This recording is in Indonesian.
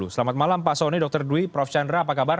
selamat malam pak soni dr dwi prof chandra apa kabar